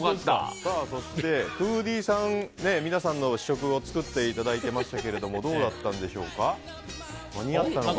そして、フーディーさん皆さんの試食を作っていただいてましたけどどうだったんでしょうか。